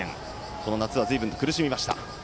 この夏はずいぶんと苦しみました。